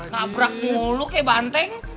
nabrak mulu kayak banteng